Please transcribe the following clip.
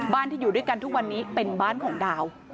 ที่อยู่ด้วยกันทุกวันนี้เป็นบ้านของดาว